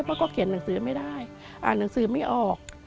เพราะก็เขียนหนังสือไม่ได้อ่านหนังสือไม่ออก